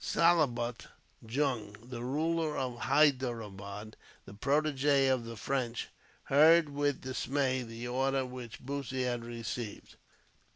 Salabut Jung, the ruler of Hyderabad, the protege of the French, heard with dismay the order which Bussy had received.